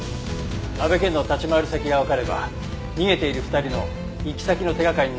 阿部健の立ち回り先がわかれば逃げている２人の行き先の手掛かりになるかもしれません。